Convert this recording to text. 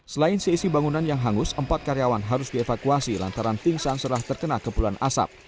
selain seisi bangunan yang hangus empat karyawan harus dievakuasi lantaran pingsan setelah terkena kepulan asap